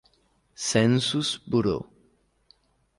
Census Bureau.